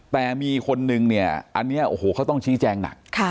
แต่มีคนนึงเนี่ยอันนี้โอ้โหเขาต้องชี้แจงหนัก